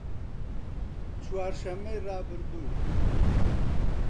چوارشەممەی ڕابردوو